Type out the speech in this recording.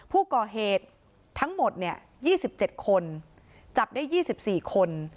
ผู้ก่อเหตุทั้งหมด๒๗คนจับได้๒๔คน